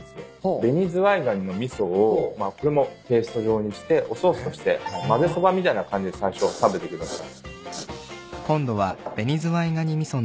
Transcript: ベニズワイガニのみそをこれもペースト状にしておソースとしてまぜそばみたいな感じで最初食べてください。